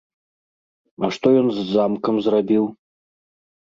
А што ён з замкам зрабіў?